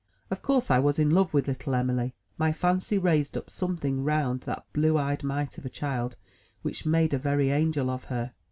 Of course I was in love with little Em'ly. My fancy raised up something round that blue eyed mite of a child, which made a very angel of her.